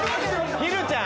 ひるちゃん。